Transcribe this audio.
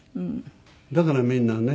だからみんなね